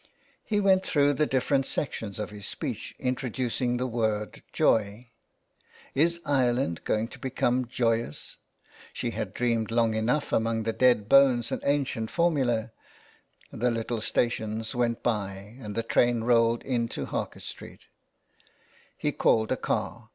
He went through the different sections of his speech introducing the word joy : Is Ireland going to become joyous ? She has dreamed long enough among dead bones and ancient formulae. The little stations went by and the train rolled into Harcourt Street. He called a car.